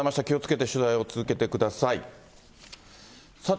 気をつけて取材を続けてください。